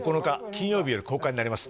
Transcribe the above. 金曜日より公開になります